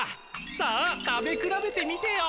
さあ食べくらべてみてよ！